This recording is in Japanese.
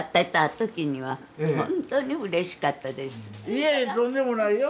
いえいえとんでもないよ。